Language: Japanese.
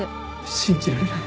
信じられない。